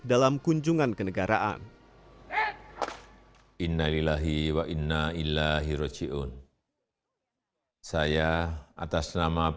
dalam kunjungan kenegaraan